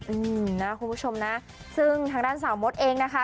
อืมนะคุณผู้ชมนะซึ่งทางด้านสาวมดเองนะคะ